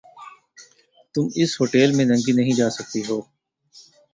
تم اِس ہوٹیل میں ننگی نہیں جا سکتی ہو۔